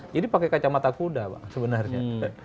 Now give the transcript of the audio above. jadi pakai kacamata kuda pak